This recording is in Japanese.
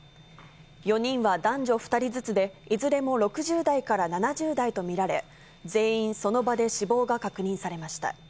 ４人は男女２人ずつで、いずれも６０代から７０代と見られ、全員その場で死亡が確認されました。